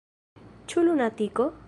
Ĉu lunatiko?